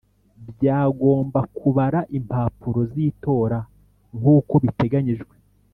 bagomba kubara impapuro z itora nkuko biteganyijwe